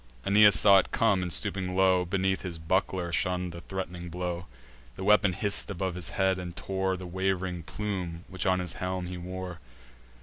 Aeneas saw it come, and, stooping low Beneath his buckler, shunn'd the threat'ning blow. The weapon hiss'd above his head, and tore The waving plume which on his helm he wore.